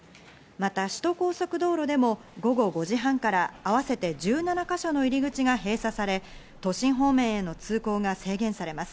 また首都高速道路でも午後５時半から合わせて１７か所の入り口が閉鎖され、都心方面への通行が制限されます。